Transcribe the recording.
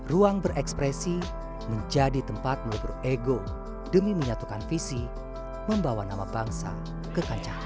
ruang berekspresi menjadi tempat melebur ego demi menyatukan visi membawa nama bangsa ke kancahan